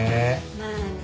まあね。